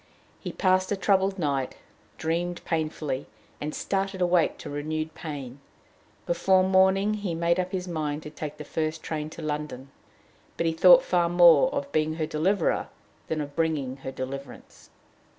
He passed a troubled night, dreamed painfully, and started awake to renewed pain. Before morning he had made up his mind to take the first train to London. But he thought far more of being her deliverer than of bringing her deliverance.